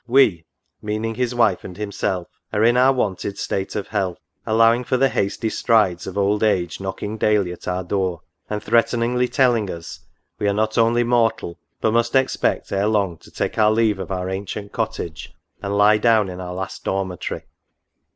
" We,'* meaning his wife and himself, " are in our wonted state of health, allowing for the hasty strides of old age knocking daily at our door, and threateningly telling us, we are not only mortal, but must expect ere long to take our leave of our ancient cottage, and lie down in our last dormitory.